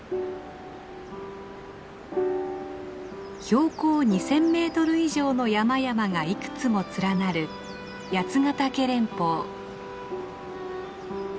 標高２，０００メートル以上の山々がいくつも連なる八ヶ岳連峰。